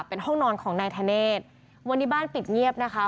เป็นห้องนอนของนายธเนธวันนี้บ้านปิดเงียบนะคะ